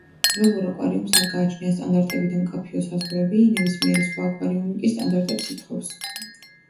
ველურ აკვარიუმს არ გააჩნია სტანდარტები და მკაფიო საზღვრები, ნებისმიერი სხვა აკვარიუმი კი სტანდარტებს ითხოვს.